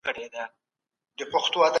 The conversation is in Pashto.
اقتصاد پوهان هره ورځ نوي تحقیقات کوي.